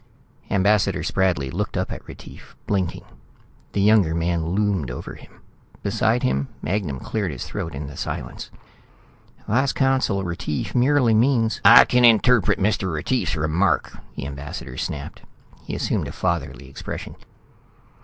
Ambassador Spradley looked up at Retief, blinking. The younger man loomed over him. Beside him, Magnan cleared his throat in the silence. "Vice Consul Retief merely means " "I can interpret Mr. Retief's remark," the ambassador snapped. He assumed a fatherly expression.